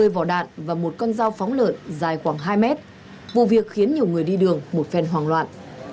một mươi vỏ đạn và một con dao phóng lợi dài khoảng hai mét vụ việc khiến nhiều người đi đường một phen hoảng loạn